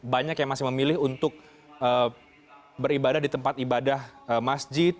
banyak yang masih memilih untuk beribadah di tempat ibadah masjid